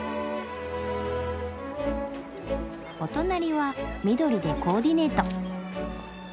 お隣は緑でコーディネート。